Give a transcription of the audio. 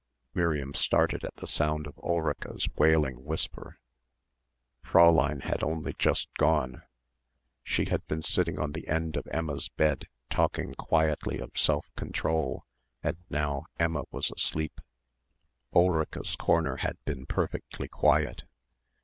Miriam started at the sound of Ulrica's wailing whisper. Fräulein had only just gone. She had been sitting on the end of Emma's bed talking quietly of self control and now Emma was asleep. Ulrica's corner had been perfectly quiet.